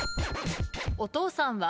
お父さんは？